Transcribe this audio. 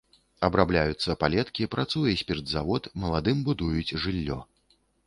Абрабляюцца палеткі, працуе спіртзавод, маладым будуюць жыллё.